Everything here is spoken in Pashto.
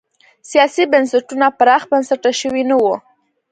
سیاسي بنسټونه پراخ بنسټه شوي نه وو.